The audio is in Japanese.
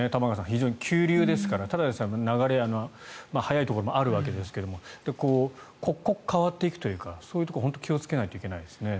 非常に急流ですからただでさえ流れが速いところがあるわけですが刻々と変わっていくというかそういうところに気をつけないといけないですね。